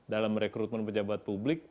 dalam rekrutmen pejabat publik